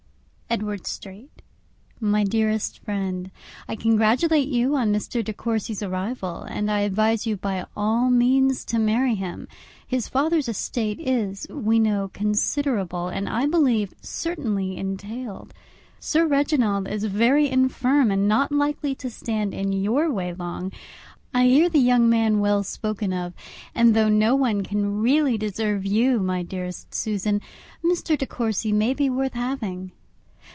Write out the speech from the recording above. _ Edward Street. My dearest Friend,—I congratulate you on Mr. De Courcy's arrival, and I advise you by all means to marry him; his father's estate is, we know, considerable, and I believe certainly entailed. Sir Reginald is very infirm, and not likely to stand in your way long. I hear the young man well spoken of; and though no one can really deserve you, my dearest Susan, Mr. De Courcy may be worth having.